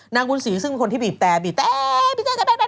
นางบุญศรีซึ่งเป็นคนที่บีบแต่บีบแต่บีบแต่แป๊ดแป๊ดแป๊ด